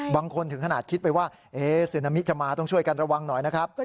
ถึงขนาดคิดไปว่าซึนามิจะมาต้องช่วยกันระวังหน่อยนะครับ